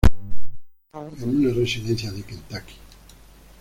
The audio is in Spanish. Lo mataron en una residencia de Kentucky.